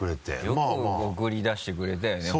よく送り出してくれたよね